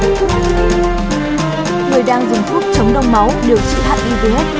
người đang dùng thuốc chống đông máu điều trị hạn y dưới hết